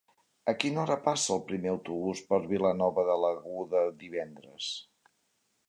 A quina hora passa el primer autobús per Vilanova de l'Aguda divendres?